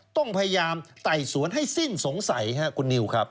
ต้องพยายามไต่สวนให้สิ้นสงสัยครับ